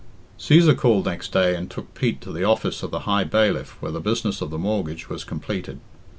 V. Cæsar called next day and took Pete to the office of the High Bailiff, where the business of the mortgage was completed.